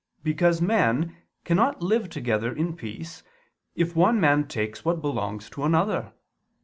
Because men cannot live together in peace, if one man takes what belongs to another.